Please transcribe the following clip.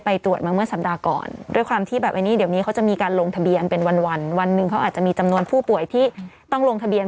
พื้นโรงพยาบาลเดี๋ยวนี้อย่างบางที่รามคำแหง